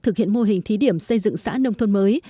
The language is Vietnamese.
thực hiện mô hình thí điểm xây dựng xã nông thôn mới